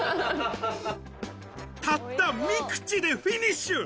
たった３口でフィニッシュ。